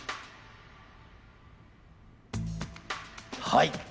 はい！